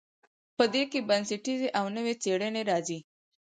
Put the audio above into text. په دې کې بنسټیزې او نوې څیړنې راځي.